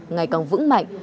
ngày càng vững mạnh